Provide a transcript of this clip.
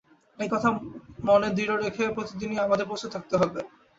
এই কথা মনে দৃঢ় রেখে প্রতিদিনই আমাদের প্রস্তুত থাকতে হবে।